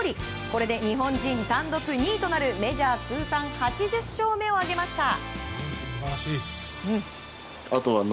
これで、日本人単独２位となるメジャー通算８０勝目を挙げました。